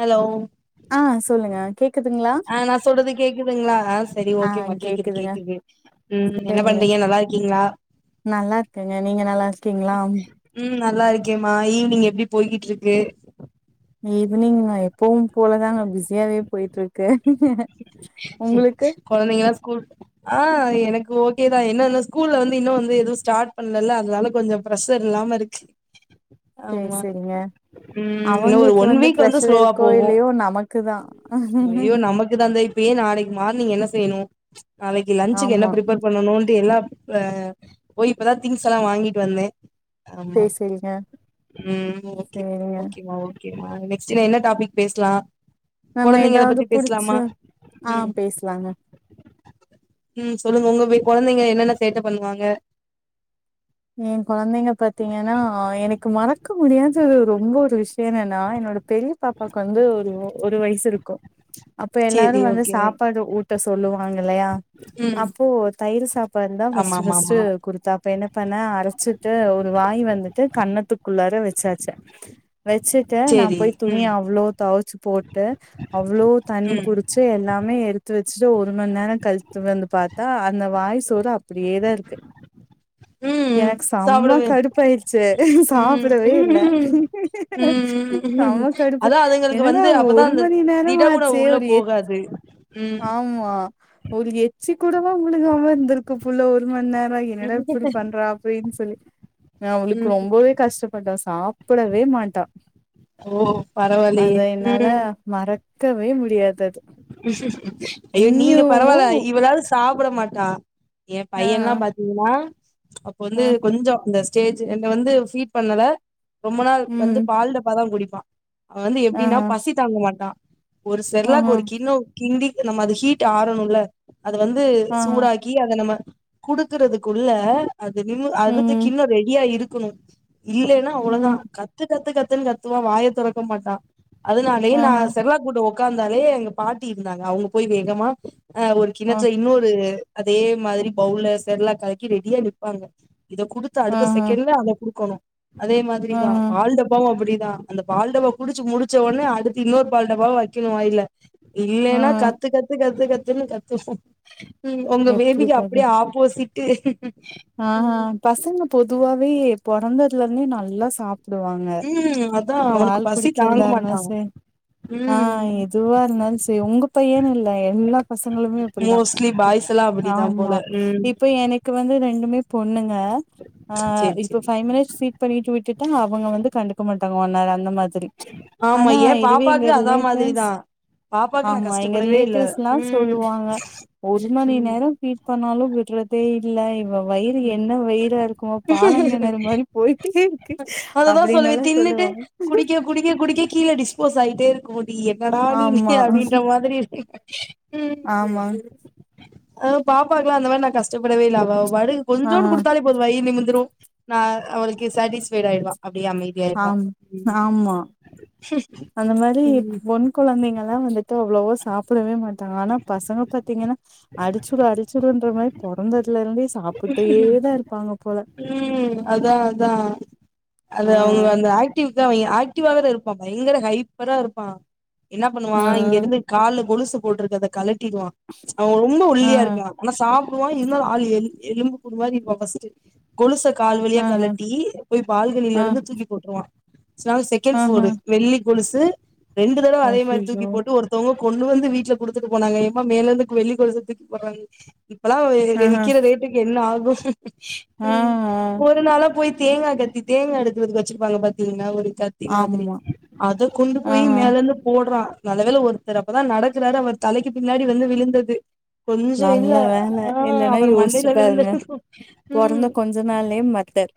Hello ஆ சொல்லுங்க கேக்குதுங்களா ஆ நா சொல்றது கேக்குதுங்களா சேரி ஆ ஓகேமா கேக்குது கேக்குதுங்க கேக்குது உம் என்ன சரிங்க பண்றீங்க நல்லா இருக்கீங்களா நல்லா இருக்கேங்க நீங்க நல்லா இருக்கீங்களா உம் நல்லா இருக்கேமா ஈவினிங் எப்படி போயகிட்டு இருக்கு ஈவ்னிங் ஆய போகும் போலதாங்க பிஸியாவே போயிட் ட்டு இருக்கு உங்களுக்கு குழந்தைங்கா ஸ்கூல் ஆ எனக் கு ஓகேதான் என்னன்னும் ஸ்கூல்ல வந்து இன்னும் வந்து எதுவும் ஸ்டார்ட் பண்ணல அதனால கொஞ்சம் ப்ரெஷர் இல்லாம இருக்கு சேரி ஆமா சேரிங்க ம் இன்னு ஒரு அவங்களுக்கு ஒன் வந்து வீக் பிரஷர் ஸ்லோவா இருக்கோ போகு இல்லையோ நமக்குதான் தே இப்பயே நாளைக்கு மார்னிங் என்ன செய்யணும் நாளைக்கு லன்சுக்கு என்ன ஆமா பிரிப்பர் ம். பண்ணணுட்டு எல்லாம் ஆ போய் இப்பதான் திங்ஸ் எல்லாம் வாங்கிட்டு வந்தேன் ஆமா சரி சரிங்க ம் ஓகே சரிங்க ஓகேமா ஓ ஓகேமா நெக்ஸ்டில என்ன டாபிக் பேசலாம் நம்ம ஏதாவது புடிச்ச ஆ ம் பேசலாங்க ம் சொல்லுங்க உங்க போ் குழந்தைங்க என்னென்ன சேட்டை பண்ணுவாங்க என் குழந்தைங்க பாத்தீங்கன்னா எனக்கு மறக்க முடியாது து ரொம்ப ஒரு விஷய என்னா நா என்னோட பெரிய பாப்பாக்கு வந்து ஒரு ஒ ஒரு வயசு இருக் கு அப்ப சேரி எல்லாரும் வந்து ஓகே சாப்பாடு ஊட்ட சொல்லுவ இல்லையா ம் அப்போ தயிர் சாப்பாடுந்தான் ஆமா ஃபர்ஸ்ட் ஆமா ஃபர்ஸ்டு ஆமா குடுத்தா பேன்ன கண்ண அரைச்சிட்டு ஒரு வாய் வந்துட்டு கண் நத்துக்குள்ளார வச்சாச்சே வச்சுட்டேன் நான் சேரி போய் துணி ம் அவ்ளோ துவைச்சு போ த்தா அவ்ளோ தண்ணி ம் புரிச்சு எல்லாமே எடுத்து வச்சுட்டு ஒரு மணி நேரம் கருத்து வந்து பார்த்தா அந்த வாய் சோற அப்படியே தான் இருக்கு ம் எனக்கு செம்ம சாப்புடுவே கடுப்பாயிருச்சு ம் சாப்பிடவே இல்லை ம் ம் செம்ம கடுப்பு அதா அதுங்களுக்கு என்னடா வந்து அப்பதா ஒரு அந்த மணி நேரம் திட உணவு ஆச்சு உள்ள ஒரு எ போகாது ம் ஆமா ஒரு எச்சி கூடவா முழுங்காம இருந்திருக்கு புள்ள ஒரு மண் நே அட என்னடா இப்படி பண்றா அப்படின்னு சொல் நான் அவளுக்கு ம் ரொம்பவே கஷ்டப்பட்டன் சாப்பிடவே மாட்டா ஓ அத பரவாயில்லயே என்னால ம் மறக்கவே மு [unintelligible] ஐயோ நீங்க பரவாயில்ல இவளாவது சாப்பிட மாட் டா என் ஆ பையன்லா பாத்தீங்கன்னா ச்சு அப்ப ஆ வந்து கொஞ்சோ இந்த ஸ்டேஜ் என்ன வந்து ஃபீட் பண்ணல ரொம்ப நாள் வந்து ம் பால் டப்பா தான் குடி ப்பா அவன் வந்து எப்படின்னா ஆஹா பசி தாங்க மாட்டான் ஒரு செர்லாக் ஆஹா ஒரு ஒ கிண்டி நம்ம அது ஹீட் ஆரணும்ல அது வந்து ஆஹா சூடாக்கி அத நம்ம குடுக்குறதுக்குள்ள அது நீ அதது ம் கிண்ணோ ரெடியா இருக் குனு இல்லைன்னா அவ்ளவுதா ம் கத்து கத்து கத் த்து கத்துவா வாய தொறக்க மாட்டான் அதுனாலே நா ஆஹா செர்லாக் ஊட்ட உக்காந்தாலே எங்க பாட்டி இருந்தாங்க அவங்க போய் வேகமா ஆ ஒரு கிணற்ற இன்னொரு அதே மாதிரி பவுல்ல செரலாக் கலக்கி ரெடியா நிப்பாங்க இத குடுத்த அடுத்த ஆஹா செகண்ட்லயே அத குடுக்கோணு அதே மாதிரிதா ஆஹா பால் டப்பாவும் அப்படி தா அந்த பால் டபா குடிச்சு முடிச்ச ஒடனே அடுத்து இன்னொரு பால் டபாவா வைக்கணு வாய்ல ஆ இல்லைன்னா கத்து கத்து கத்து கத் துன் கத்து ம் ஒங்க பேபிக்கு அப்படியே ஆப்போசிட் டு அ அ பசங்க பொதுவா வே பொறந்ததுலர்ந்தே நல்லா சாப் டுவாங்க ம் அதா அவனுக்கு பால் பசி தாங்க குடிக்கிறதுதா மாட்டா இருந்தாலு செரி அ ம் எதுவா இருந்தாலு செரி உங்க பையன் இல்ல எல்லா பசங்களுமே இப்படிதா மோஸ்ட்லி பாய்ஸ் எல்லா அப்டிதா போல ஆமா ம் இப்ப எனக்கு வந்து ரெ ண்டுமே பொண்ணுங் க அ சேரி இப்ப சேரி ஃபைவ் மினிட்ஸ் ஃபீட் பண்ணிட்டு விட்டுட்டா அவங்க வந்து கண்டுக்க மாட்டாங் ஓநர் அந்த மாத் செரி ஆமா ஆனா ஏ இதுவே எங்க பாப்பாக்கு அதா ரிலேட்டிவ்ஸ் மாதிரிதா பாப்பாக்கு நா ஆமா எங்க கஷ்டப்படவே இல்ல ரிலேட்டிவ்ஸ்லா ம் சொல்லுவாங்க ஒரு மணி ம் நேரம் பீட் பண்ணாலும விட்றதே லைவ் இவ வயிறு என்ன வயிரா இருக்குமோ பாலங்கெணறு மாரி போயிட்டே இருக்கு அததா அப்படினு சொல்லுவே எல்லா தின்னுட்டு சொல்லுவாங்க குடிக்க ப்படி என்னடா நீ அப்படின்ற மாதிரி இரு ஆமா ஆ பாப்பாக்கலா அந்த மாரி நா கஷப்படவே இல்ல அவ பாட்டுக் ஆ கொஞ்சோன்டு குடுத்தாலே போது வயிரு நிமிந்துரும் நா அவளளுக்கு சாட்டிஸ்ஃபைடு ஆயிடுவ அப்படியே அமைதியா ஆயிருவா ஆம் ஆமா அந்த மாரி பொண் கொழந்தைங்கல்லா வந்துட்டு அவ்ளவோ சாப்டவே மாட் ஆனா பசங்க பாத்தீங்கனா அடிச்சுடு அடிச்சுடுன்ற மாரி பொறந்தத்லிருந்தே ம் அதா அதா ஆ அது அவங்க அந்த ஆக்டிவி த அவிங்க ஆக்டிவாவ இருப்பா பயங்கர ஹைப்பரா இருப்பா என்ன பண்ணுவா ஆ இங்க இருந்து காலு கொழுசு போட்டிருக்கத கலட் டிருவா அவ ரொம்ப ஆ ஒல்லியா இருக்கா ஆனா சாப் டுருவா இன்னு ஆள் எலி எலும்பு கூடு மாரி இருப்பா ஃபஸ்ட்டு கொலுச கால்வலியா ஆ கலட்டி போய் பால்கனில ஆ இருந்து தூக்கி போட்ருவா. சிலநாள் ஆ செகண்ட் ஆ ஃப்ளோரு வெள்ளி கொலுசு ரெண்டு தடவ அதே மாரி தூக்கி அச்சச்சோ போட்டு ஒருத்தவுங்கோ கொண்டு வந்து வீட்ல குடுத்துட்டு போனாங்க. ஏமா மேலந்து வெள்ளி கொலுச தூக்கி போறாங்கனு இப்பலா அது ஆஹா விக்கிற ரேட் என்ன ஆகு ஆ ம் ஆ ஒரு நாளா போய் தேங்கா கத்தி தேங்கா எடுக்குறதுக்கு வச்சிருப்பாங்க பாத்தீங்ளா ஒரு கத்தி மாதிரி ஆமா அத கொண்டு ஆ போய் ஆ. மேலந்து போடறா. நல்ல வேல ஒருத்தர் அப்பதா நடக்றாரு, அவர் தலைக்கு பின்னாடி வந்து விழுந்தது. கொஞ்சோ நல்ல வேல இல்லேனா யோச்சு விழுந்த ம் நாள்லயே மர்டர்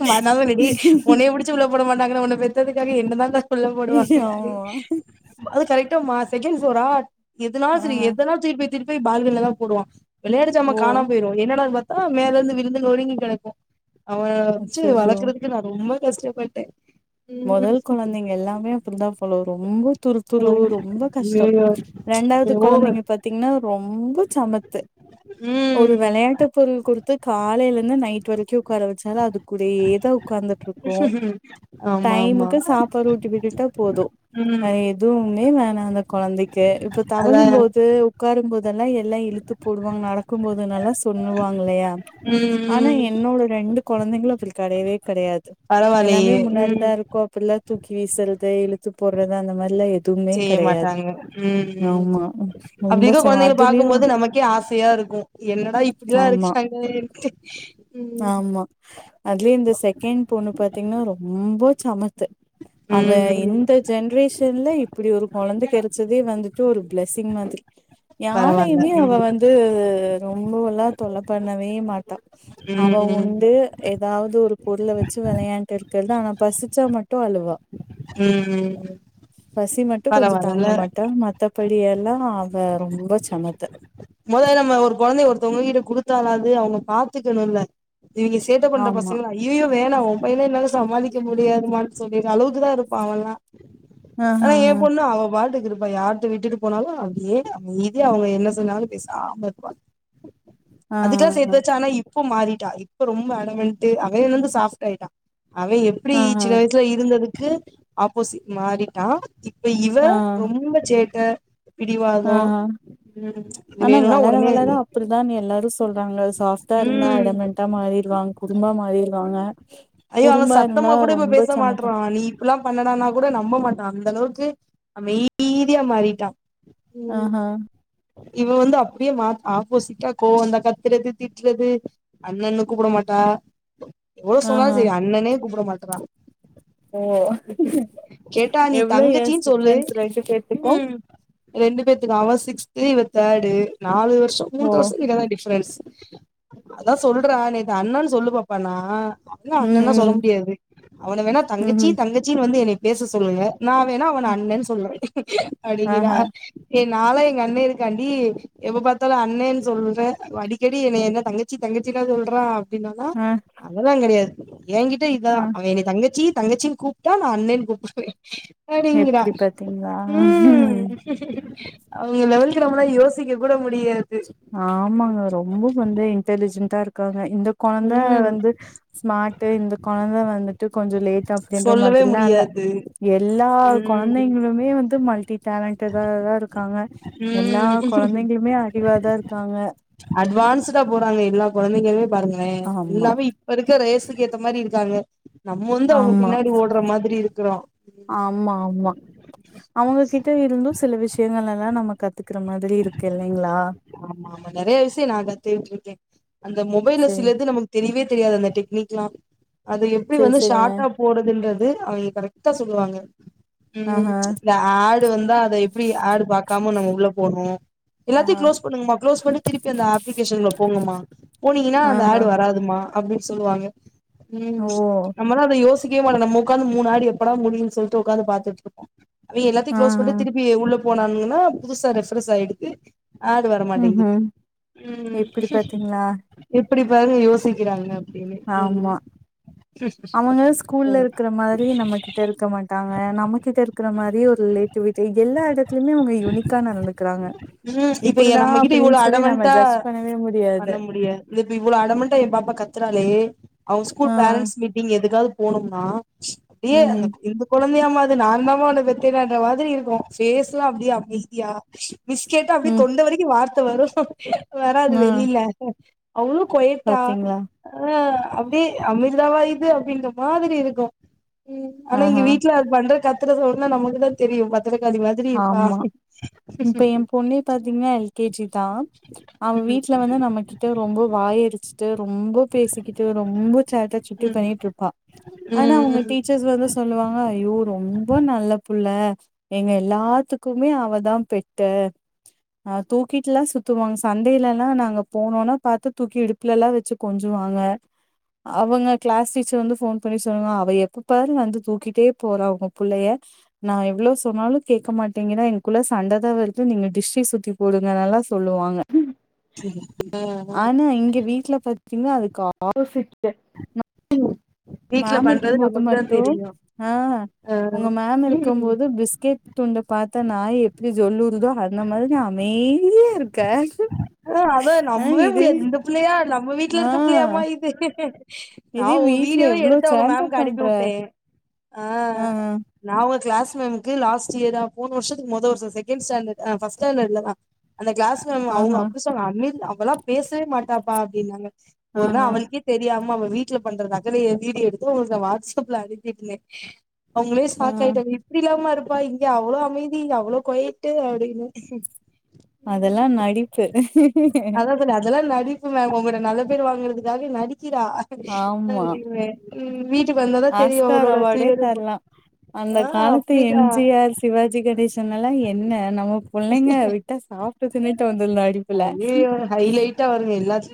நா அனாலதா கேட்டே உனய புடுச்சு உள போட மாட்டாங்கன்ன உன்ன பெத்ததுக்காக என்ன தாண்ட உள்ள போடுவாங்க அடீ ஆமா அது கரெட் ட்டோமா செகெண் சோரா எதுனாலு ஆ செரி எதனா திருப்பி திருப்பி பால்கனிலதா போடுவா வெளய ஓ காணாம் போயிரு என்னடான் ப தா மேலந்து விழுந்து நொருங்கி கிடக்கு. அவன வச்சு அச்சச்சோ வளக்கறதுக்கு நா ரொம்ப கஷ்டபட்டே மொதல் குழந்தைங்க எல்லாமே அப்டிதா போல ரொம்ப துரு துரு ரொம்ப கஷ்டம். ஐயயோ ரெண்டாவது அது ஓவர் கொழந்தைங்க பாரத்தீங்ன்னா ரொம்ப சமத்து. ஒரு ம் விளையாட்டு பொருள் குறுத் து காலேல இந்து நைட் வரைக்கு உட்கார வச்சாலு அது கூடயேதௌ ஆம் டைமுக்கு சாப்பாடு ஊட்டி விட்டுட்டா போது ம் வேற எதுவும் மே வேணா அந்த கொழந்தைக் க இப்ப அதா தவழும் போது உட்காரும் போத் அதெல்லா எல்லா இழுத்து போடுவாங்க. நடக்கும் போதுனெல்லா சொல்லுவாங்கல்லயா? ம் ஆனா ம் என்னோட ரெண்டு குழந்தைங்களோ அப்படி கடயயே கிடையாது பரவாயில்லையே ம் கோப்ப எல்லாம் தூக்கி வீசறது இழுத்து போடுறது அந்த மாதிர எல்லாம் எது செய்ய மாட்டாங்க உஹம் ஆமா ரொம்ப அப்படிதான் சம குழந்தைங்க அதுலயு பார்கும்போது நமக்கே ஆசையா இருக்கும் என்னடா இப்படிதான் ஆமா இருக்காங்க [unintelligible] ஆமா அதுலயே இந்த செகண்ட் பொண்ணு பாத்தீங்கன்னா ரொம்ப சமத்து அவ ம் ம் இந்த ஜென்ரேஷன்ல இப்படி ஒரு குழந்தை கடைச்சதே வந்துட்டு ஒரு பிளஸ்மி மாரி பரவால்ல யாரையுமே அவ ம் வந்து ரொ இவ்ளோ எல்லா தொல்ல பண்ணவே மாட்டா ம் அவ ம் உந்து ஏதாவது ஒரு பொருள வச்சு வெளையான்ட்டு இருக்கறத ஆனா பசிச்சா மட்டு அழுவா உஹ்ம் உம் பசி மட்டு கொஞ்ச தாங்க மாட்டா மத்தப் படியெல்லா அவ ரொம்ப சமத்து த்தாவாது அவங்க பாத்துக்கணுல்ல இவிங்க சேட்ட பண்ற ஆமா பசங்களா ஐயய்யோ வேணா மொபைலே இல்லாத சமாளிக்க முடியாது மான் சொல்லிற அளவுக்குதா இருப்பா அவல்லா ஆனா ஏ ஆஹஹ பொண்ணு அவ பாட்டுக்கு இருப்பா யாருட்ட விட்டுட்டு போனாலு அப்டியே அமைதியா அவங்க என்ன சொன்னாலு பேசாம இருப்பா அதுக்கெல்லா ஆஹஹ சேத்து வச்சு ஆனா இவ் இப்ப மாறிட்டா இப்ப ரொம்ப அடமன்ட்டு அவ என்னந்து சாஃப்ட் ஆயிட்டா அவ எப்டி ஆஹ சின்ன வயசுல இருந்ததுக் கு ஆப்போசிட் மாரிட்டா இப்ப இவ ஆஹ் ரொம்ப சேட்ட பிடிவாதொ ஆஹ் உம் ஆனா வளர வளர அப்டிதா எல்லாரு சொல்றாங்க சாஃப்டா இருந்தா ம் அடமண்ட்டா மாரிருவாங்க குடும்பா மாரிரு தாங்க ஐயோ அவ சத்தமா கூட இப்ப பேச சமத்தா மாட்றா நீ இப்பல்லா பண்ணனானா கூட நமப மாட்டா அந்த அளவுக் கு அமைதியா மாறிட்டா ம் ஆஹ்ஹ இவ வந்து அப்டியே மா ஆப்போசிட்டா கோவ வந்தா கத்துறது திட்டுறது அண்ணன்னு கூப்பிட மாட்டா எவ்ளோ சொன்னாலு ஆஹா சரி அண்ணனே கூப்பிட மாட் றா ஓ கேட்டா நீ எவ்ளோ ஏஜ் தங்கச்சின்னு சொல்லு டிஃப்ரென்ஸ் ரெண்டு பேத்துக்கோ ம் ரெண்டு பேத்துக்கு அவ சிக்ஸ்து இவ தேர்டு நாலு வரு ஷொ ஓ மூண்ற வருஷோ கிட்டதா டிஃப்ரன்ஸ் அதா சொல்றா நேத்து அண்ணன்னு சொல்லு பாப்பானா என்ன ம் அண்ணன்லா சொல்ல ம் முடியாது அவன வேணா தங்கச்சி ம்ஹும் தங்கச்சின்னு வந்து என்னைய பேச சொல்லுங்க நா வேணா அவன அண்ணன்னு சொல்லுவ அப்டிங்கிறா ஆஹா எ நாலா எங்க அண்ண இருக்காண்டி எப்ப பாத்தாலு அண்ணேன்னு சொல்ற அவ அடிக்கடி என்னைய என்ன தங்கச்சி தங்கச்சின்னா சொல்றா அப்டினானா ஆ அதுலா கெடையாது என்கிட்ட ஆ இதான் அவன் என்ன தங்கச்சி தங்கச்சின்னு கூப்ட்டா நான் அண்ணேன்னு கூப்டுவே சரிங்கடா எப்டி பாத்தீங்களா உம் அவுங்க லெவலுக்கு நம்மளா யோசிக்க கூட முடியாது ஆமாங்க ரொம்ப வந்து இன்டலிஜென்டா இருக் காங்க இந்த கொழந்தை ம் வந்து ஸ்மார்ட் இந்த கொழந்தை வந்துட்டு கொஞ்சம் லேட் அப்டின்ற சொல்லவே மாதிரில்லாம் இல்ல முடியாது எல்லா ம் கொழந்தைங்களுமே வந்து மல் டி டேலண்டா தான் தா இருக் இருக்காங்க எல்லா கொழந்தைங்களுமே அறிவாதான் இரு அட்வான்ஸ் டா போறாங்க எல்லா கொழந்தைகளுமே பாருங்களேன் ஆமா எல்லாமே இப்ப இருக்க ரேஸு க்கு ஏத்த மாரி இருக்காங்க நம்ம வந்து அவங்க ஆமா பின்னாடி ஓடுற மாதிரி இருக்குறோ ஆமா ஆமா அவுங்க கிட்ட இருந்தும் சில விஷயங்கள லாம் நம்ம கத்து குற மாதிரி இருக்கு இல்லைங்களா ஆமா ஆமா நெறைய விஷயம் நான் கத்துட்டு இருக்கேன் அந்த மொபைல சேரி சிலது நமக்கு தெரியவே தெரியாது அந்த டெக்னிக்லாம் அது எப்டி சேரி வந்து சேரிங்க ஷாட்டா போடுதுன்றது து அவெங்க கரெக்டா சொல்லுவாங்க உம் ஆஹா ச் த ஆல் டு வந்தா அத எப்டி ஆடு பா‌க்காம நம்ம உள்ள போணும் எல்லாத்தயு ஆஹா க்ளோஸ் மா கிளோஸ் பண்ணி திருப்பி அந்த அப்ளிகேஷன்ல போங்கமா போனீங்கன்னா அந்த ஆஹா ஆட் வராதுமா அப்டின்னு சொல்லுவாங்க ஓ உம் நமலா அத யோஸ் சிக்கவே மாட்டோ நம்ம உக்காந்து மூனு ஆடியோ எப்படா முடியின்னு சொல்லிட்டு உக்காந்து பாத்துட்டு இருப்போம் அவன் எல்லாத்தையும் க்ளோஸ் ஆஹா பண்ணிட்டு திருப்பி உள்ள போனானுங்கன்னா புதுசா ரெஃபரஸ் ஆயிடுது ஆட் வரமாட்டிகுது ம்ஹும் உம் இப்டி பாத்தீங்களா இப்படி பாருங்க யோசிக்கிறாங்க அப்டின்னு ம் ஆமா அவங்க ஓ ஸ்கூல்ல இருக்கிற மாதிரி நம்ம கிட்ட இருக்க மாட்டாங்க நம்மகிட்ட இருக்கிற மாதிரி ஒரு ரிலேட்டிவிட்டி எல்லா இடத்துலயுமே அவங்க யூனிக்கா நடந்துக்கறாங்க ம் இப்ப எ அப்படிதான் நம்மகிட்ட இவ்ளோ அப்படின்னு சொல்லி நம்ம ஜட்ஜ் பண்ணவே முடியாது இ இப்ப இவ்வளோ அடமொன்ட்ட என் பாப்பா கத்துறாளே அவன் ஸ்கூல் ஆ பேரன்ட்ஸ் மீட்டிங் எதுக்காவது போனும்னா ஏய் ம் அந்த இந்துக்கோளா து நான் தான்மா ஒ வெத்த மாதிரி இருக்கு பேஸ் அப்படிய அமைதியா பிஸ்கெட் ம் அப்படி எப்டி வார்த்தை வரும் வராது ம் வெளில அவனு கொய்த்தா பாத்தீங்களா அஹ் அப்படியே அமிர்தாவா இது அப்படின்ற மாதிரி இருக்கு உம் ஆனா இங்க ஆஹா வீட்டு்ல அது பண்ற க சொன்னா நமக்குதான் தெரியு ப [unintelligible] மாதிரி இருப்பா ஆமா இப்ப என் பொண்ணே பாத்தீங்கன்னா எல்கேஜி தான் அவ வீட்டுல வந்து நம்மகிட்ட ரொம்ப வாய அரிச்சுட்டு ரொம்ப பேசிக்கிட்டு ரொம்ப சேட்டா சுட்டி ம் பண்ணிட்டு இருப்பான் ஆனா ம் அவங்க ம் டீச்சர்ஸ் வந்து சொல்லுவாங்க ஐயோ ரொம்ப நல்ல புள்ள எங்க எல்லாத்துக்குமே அவதான் பெட்டு தூக்கிட்டுல்லாம் சுத்துவாங்க சண்டையலல்லாம் நாங்க போனோம்னா பார்த்து தூக்கி இடுப்புலல்லாம் வச்சு கொஞ்சுவாங்க அவங்க கிளாஸ் டீச்சர் வந்து போன் பண்ணி சொல்லுங்க அவ எப்ப பாரு வந்து தூக்கிட்டே போற அவங்க பிள்ளைய நான் எவ்வளோ சொன்னாலும் கேட்க மாட்டீங்கன்னா எனங்கக்குள்ள சண்டைதான் வருது நீங்க டிஸ்டி சுத்தி போடுங்கல்லாம் சொல்லுவாங்க உஹ் இன்னு அதுக்கு ஆலோசிச்சேன் வீட்ல மேம் இருக்கு பண்றது போது நமக்கு தான் மட்டும் ஆஹ் உங்க மேம் இருக்கு தெரியும் போது பிஸ்கெட் துண்ட பாத்தா நான் எப்படி சொல்லுறதோ அந்த மாதிரிான் அமைதியா இருக்கே ஆஹ் அதான் நம்பவே முடியாது இந்த பிள்ளையா நம் நம்ம வீட்டு்ல இருக்க பிள்ளையா மா இது ஏதே நான் உங்க வீடல வீடியோவே எவ்வளோ சேந்தா பண்ற ஆ ஆஹ் ஆ நாவ கிளாஸ் மேம்க்கு லாஸ்ட் இயரா போன வருஷத்து முத வருஷம் செகண்ட்ஸ்டாண்ட் ஃபர்ஸ்ட் ஸாண்டர்ட்ல தான் அந்த கிளாஸ் மேம் அவங்க ஆஹா அ அவ்ளாம் பேசவே மாட்டாப்பா அப்டின்னாங்க ஒருனா ஆஹா அவளுக்கே தெரியாம அவ வீட்ல பண்ற நகரைய வீடியோ எடுத்து உங்களுக்கு வாட்ஸ்அப்ல அனுப்பிட்டே அவுங்களே ஆ சாக்காயிட்டாங்க இப்டில்லாம இருக் அப்பா இங்க அவ்வளோ அமைதி அவ்வளோ கோயிட்டு அப்டின்னு அதெல்லா நடிப்பு அதது அதெல்லா உங்கள நல்ல பேர் வாங்குறதுக்காக நடிக் க்கிறா அ ஆமா ம் வீட் ஆஸ்கார் அவார்டே தரலா அந்த ஆ காலத்து அப்டிதா எம்ஜிஆர் சிவாஜி கணேசன் எல்லாம் என்ன நம்ம புள்ளைங்க விட்டா சாப்ட்டு தின்னுட்டு வந்திருந்தா அடிப்புல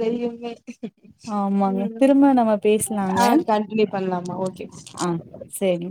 தெரியுமே ஆமாங்க உ திரும்ப நம்ம பேசலாங்க ஆஹ் கண்டின்யூ பண்ணலாமா ஓகே ஆ சேரி